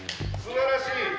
すばらしい！